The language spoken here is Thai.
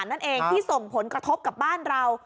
นั่นเองที่ส่งผลกระทบกับบ้านเรา